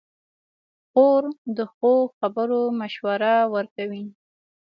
خور د ښو خبرو مشوره ورکوي.